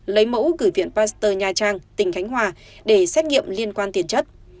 lấy mẫu gửi viện pasteur nha trang tỉnh khánh hòa để xét nghiệm liên quan tiền chất